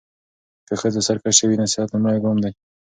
که ښځه سرکشه وي، نصيحت لومړی ګام دی.